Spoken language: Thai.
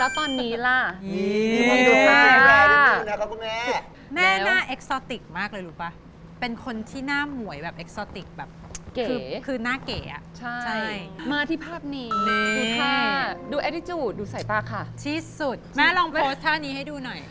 เซ็กซี่ขนาดนี้ไม่มีผัวได้ยังไง